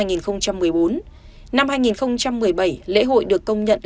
năm hai nghìn một mươi bảy lễ hội được công nhận là